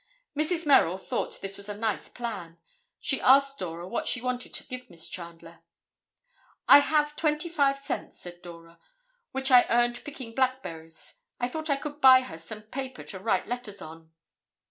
Mrs. Merrill thought this was a nice plan. She asked Dora what she wanted to give Miss Chandler. "I have twenty five cents," said Dora, "which I earned picking blackberries. I thought I could buy her some paper to write letters on."